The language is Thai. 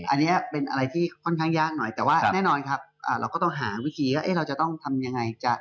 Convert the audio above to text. อันนี้เป็นอะไรที่ค่อนข้างยากหน่อยแต่ว่าแน่นอนครับเราก็ต้องหาวิธีว่าเราจะต้องทำยังไง